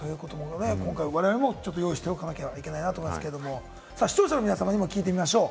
我々も用意しておかなければいけないなと思いますけれども、視聴者の皆さんにも聞いてみましょう。